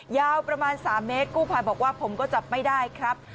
ยาวประมาณ๓เมตรกู้ภัยบอกว่าผมก็จับไม่ได้ครับ